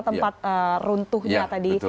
tempat runtuhnya tadi